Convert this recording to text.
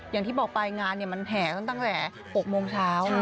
อย่างที่บอกไปงานมันแห่ตั้งแต่๖โมงเช้า